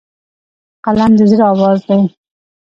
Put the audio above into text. قلم د زړه آواز دی